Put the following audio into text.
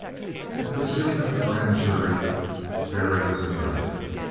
At the sitting of the Grand Jury Berry was indicted.